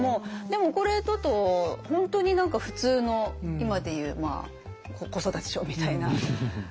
でもこれだと本当に何か普通の今でいう子育て書みたいな。